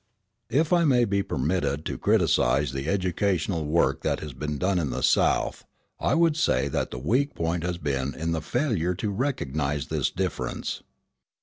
If I may be permitted to criticise the educational work that has been done in the South, I would say that the weak point has been in the failure to recognise this difference.